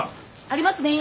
ありますね。